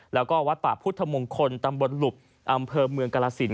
แล้วก็วัดป่าพุทธมงคลตำบลหลุบอำเภอเมืองกรสิน